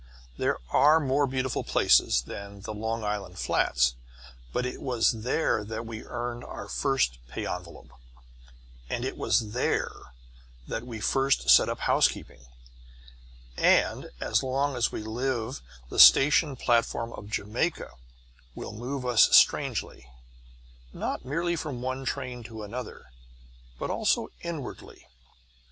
There are more beautiful places than the Long Island flats, but it was there that we earned our first pay envelope, and it was there that we first set up housekeeping; and as long as we live the station platform of Jamaica will move us strangely not merely from one train to another, but also inwardly.